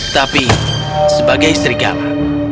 tapi sebagai serigala